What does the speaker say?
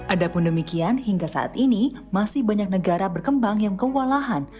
adapun demikian hingga saat ini masih banyak negara berkembang yang kewalahan